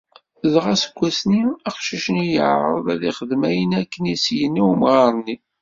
Dɣa seg wass-nni aqcic-nni iεerreḍ ad ixdem ayen akken i as-yenna umɣar-nni.